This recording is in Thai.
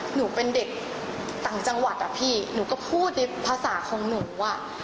หนูเป็นเด็กต่างจังหวัดอะพี่หนูก็พูดในภาษาของหนูอ่ะ